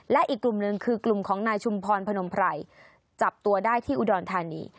และอีกกลุ่มหนึ่งคือกลุ่มของนายชุมพรพนมไพรจับตัวได้ที่อุดรธานี